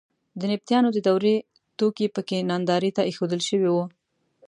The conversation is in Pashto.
د نبطیانو د دورې توکي په کې نندارې ته اېښودل شوي وو.